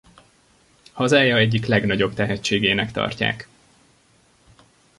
Hazája egyik legnagyobb tehetségének tartják.